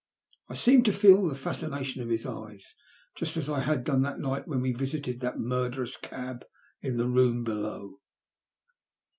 I seemed to feel the fascination of his eyes just as I had done that night when we visited that murderous cab in the room below.